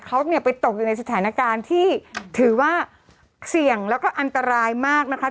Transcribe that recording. เขาเนี่ยไปตกอยู่ในสถานการณ์ที่ถือว่าเสี่ยงแล้วก็อันตรายมากนะคะ